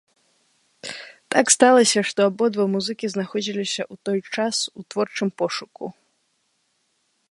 Так сталася, што абодва музыкі знаходзіліся ў той час у творчым пошуку.